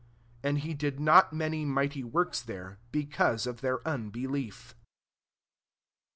58 And he did not many mighty works there, because of their unbelief. Ch.